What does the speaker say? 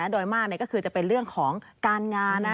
โดยมากก็คือจะเป็นเรื่องของการงาน